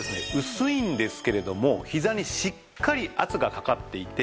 薄いんですけれどもひざにしっかり圧がかかっていてひざをブレさせない事で